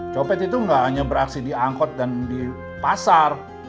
copet itu nggak hanya beraksi di angkot dan di pasar